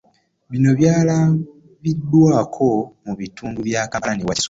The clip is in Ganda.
Bino byalabiddwako mu bitundu bya Kampala ne Wakiso